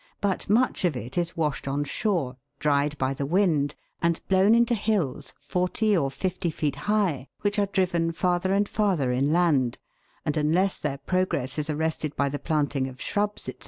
But much of it is washed on shore, dried by the wind, and blown into hills forty or fifty feet high, which are driven farther and farther inland, and unless their progress is arrested by the planting of shrubs, &c.